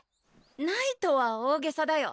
ナイトは大袈裟だよ